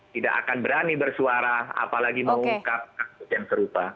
tidak akan berani bersuara apalagi mengungkap kasus yang serupa